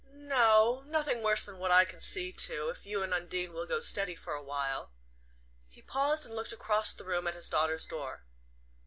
"N no. Nothing worse than what I can see to, if you and Undine will go steady for a while." He paused and looked across the room at his daughter's door.